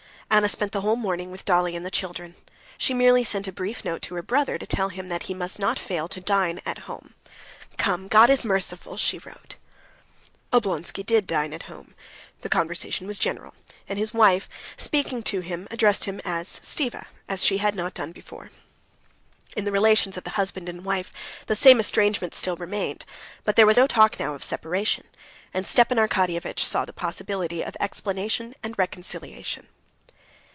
Anna spent the whole morning with Dolly and the children. She merely sent a brief note to her brother to tell him that he must not fail to dine at home. "Come, God is merciful," she wrote. Oblonsky did dine at home: the conversation was general, and his wife, speaking to him, addressed him as "Stiva," as she had not done before. In the relations of the husband and wife the same estrangement still remained, but there was no talk now of separation, and Stepan Arkadyevitch saw the possibility of explanation and reconciliation.